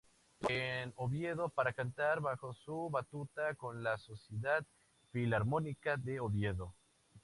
Estuvo en Oviedo para cantar bajo su batuta con la Sociedad Filarmónica de Oviedo.